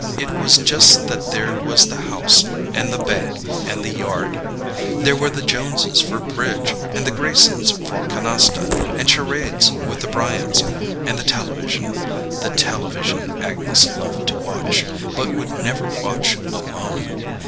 It was just that there was the house, and the bank, and the yard. There were the Jones' for bridge and the Graysons' for canasta and charades with the Bryants. And the television, the television Agnes loved to watch, but would never watch alone.